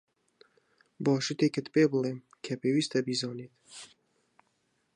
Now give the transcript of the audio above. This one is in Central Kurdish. با شتێکت پێبڵێم کە پێویستە بیزانیت.